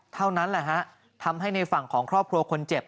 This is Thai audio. เท่านั้นแหละฮะทำให้ในฝั่งของครอบครัวคนเจ็บ